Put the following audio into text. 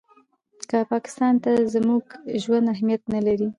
که پاکستان ته زموږ ژوند اهمیت نه لري.